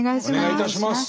お願いいたします。